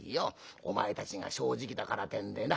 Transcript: お前たちが正直だからってんでな